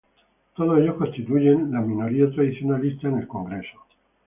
Todos ellos constituyeron la minoría tradicionalista en el Congreso.